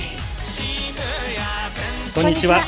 こんにちは。